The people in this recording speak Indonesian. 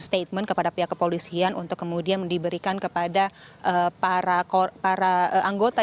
statement kepada pihak kepolisian untuk kemudian diberikan kepada para anggota